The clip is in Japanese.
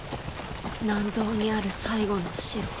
南道にある最後の城。